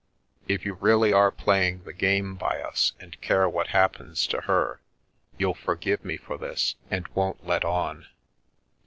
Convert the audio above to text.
If you reall are playing the game by us and care what happens t her you'll forgive me for this and won't let on.